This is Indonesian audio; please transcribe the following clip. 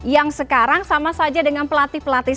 yang sekarang sama saja dengan pelatih pelatih